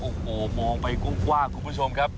โอ้โหมองไปกว้างคุณผู้ชมครับ